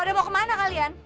udah mau kemana kalian